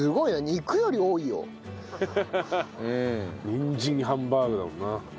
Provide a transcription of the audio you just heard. にんじんハンバーグだもんな。